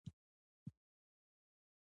وله یی مولوی صیب.